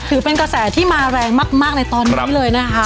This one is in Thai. ถือเป็นกระแสที่มาแรงมากในตอนนี้เลยนะครับ